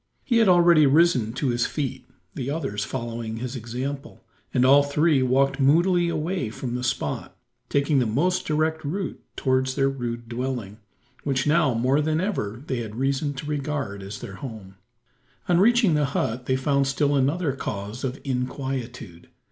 He had already risen to his feet the others following his example and all three walked moodily away from the spot, taking the most direct route towards their rude dwelling, which now more than ever they had reason to regard as their home. On reaching the hut they found still another cause of inquietude.